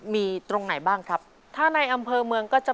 มีตรงไหนบ้างครับถ้าในอำเภอเมืองก็จะ